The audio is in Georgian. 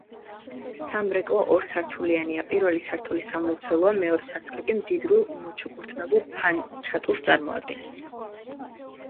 სამრეკლო ორსართულიანია, პირველი სართული სამლოცველოა, მეორე სართული კი მდიდრულ მოჩუქურთმებულ ფანჩატურს წარმოადგენს.